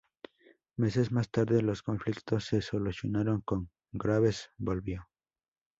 Meses más tarde, los conflictos se solucionaron y Graves volvió.